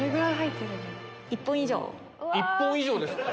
１本以上ですって。